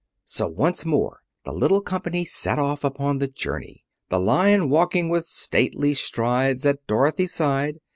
So once more the little company set off upon the journey, the Lion walking with stately strides at Dorothy's side.